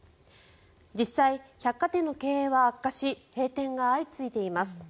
実際、百貨店の経営は悪化し閉店が相次いでいます。